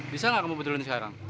bisa gak kamu beli lagi sekarang